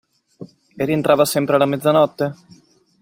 E rientrava sempre alla mezzanotte?